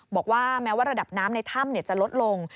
บอกว่าแม้ว่าระดับน้ำในถ้ำจะลดลง